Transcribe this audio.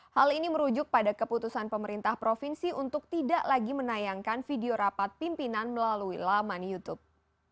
hal ini merujuk pada keputusan pemerintah provinsi untuk tidak lagi menayangkan video rapat pimpinan melalui laman youtube